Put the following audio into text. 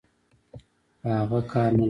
په اغه کار نلرم.